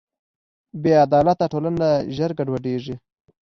بېعدالته ټولنه ژر ګډوډېږي.